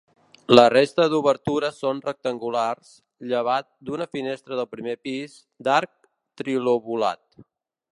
La resta d'obertures són rectangulars, llevat d'una finestra del primer pis, d'arc trilobulat.